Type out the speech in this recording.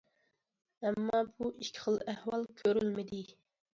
ئەمما بۇ ئىككى خىل ئەھۋال كۆرۈلمىدى.